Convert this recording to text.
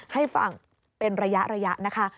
ให้ฟังเป็นระยะนะคะ